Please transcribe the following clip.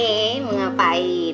seperti tuhan saya anda ini